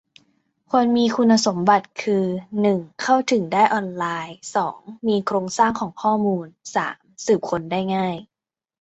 ควรมีคุณสมบัติคือ หนึ่ง เข้าถึงได้ออนไลน์ สอง มีโครงสร้างของข้อมูล สาม สืบค้นได้ง่าย